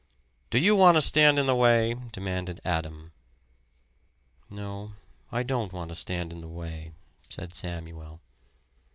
"Do you want to stand in the way?" demanded Adam. "No, I don't want to stand in the way," said Samuel.